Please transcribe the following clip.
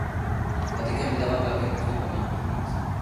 Vatikán vydává velké počty pamětních mincí.